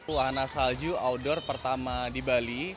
wahana salju outdoor pertama di bali